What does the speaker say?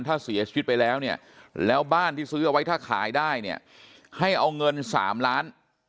ถ้าเสียชีวิตไปแล้วเนี่ยแล้วบ้านที่ซื้อเอาไว้ถ้าขายได้เนี่ยให้เอาเงิน๓ล้าน